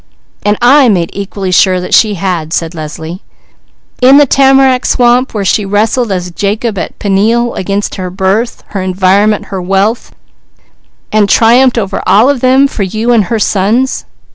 "And I made equally sure that she had," said Leslie, "in the tamarack swamp when she wrestled as Jacob at Peniel against her birth, her environment, her wealth, and triumphed over all of them for you and her sons.